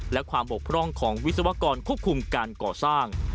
และความบกพร่องของวิศวกรควบคุมการก่อสร้าง